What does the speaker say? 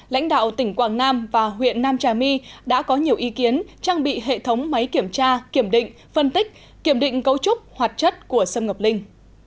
lãnh đạo tỉnh quảng nam và huyện nam trà my đã có nhiều ý kiến trang bị hệ thống máy kiểm tra kiểm định phân tích kiểm định cấu trúc hoạt chất của sâm ngọc linh